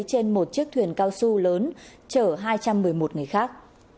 trên một chiếc thuyền cao su lớn chở hai trăm một mươi một người khác